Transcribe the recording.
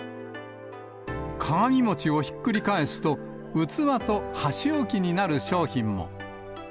鏡餅をひっくり返すと、器と箸置きになる商品も。